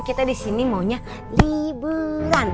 kita di sini maunya li be ran